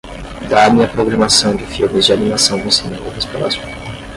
Dá-me a programação de filmes de animação no cinema mais próximo